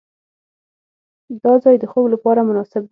دا ځای د خوب لپاره مناسب دی.